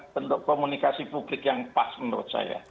bentuk komunikasi publik yang pas menurut saya